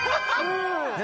何？